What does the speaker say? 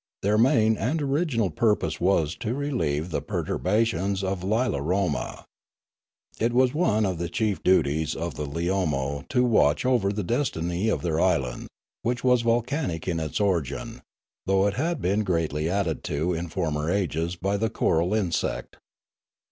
Their main and original purpose was to relieve the perturbations of Ularoma. It was one of the chief duties of the Iyeonio to watch over the destiny of their island, which was volcanic in its origin, though it had been greatly added to in former ages by the coral insect.